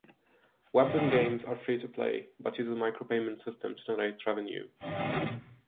Webzen games are free-to-play, but uses a micropayment system to generate revenue.